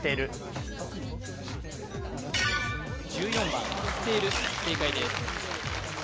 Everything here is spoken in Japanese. １４番すてる正解です